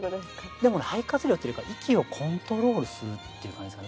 でもね肺活量っていうよりか息をコントロールするっていう感じですかね。